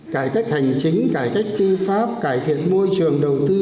cải cách hành chính cải cách tư pháp cải thiện môi trường đầu tư